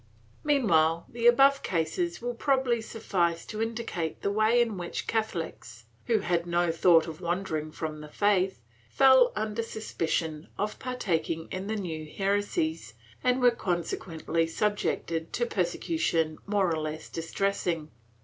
Meanwhile the above cases will probably suffice to indicate the way in which Catholics, who had no thought of wandering from the faith, fell under suspicion of partaking in the new heresies and were consequently subjected to persecution more or less distressing.